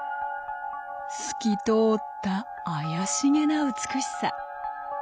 透き通った怪しげな美しさ。